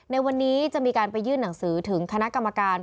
ในวันนี้จะมีการไปยื่นหนังสือถึงคณะกรรมการ